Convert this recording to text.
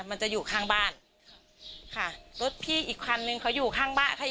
มันจะอยู่ข้างบ้านค่ะรถพี่อีกคันนึงเขาอยู่ข้างบ้านเขา